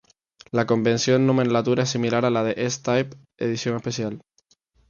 La convención de nomenclatura es similar a la del S-Type Edición Especial.